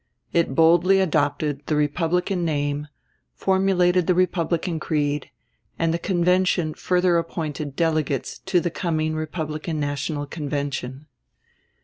It boldly adopted the Republican name, formulated the Republican creed, and the convention further appointed delegates to the coming Republican National Convention.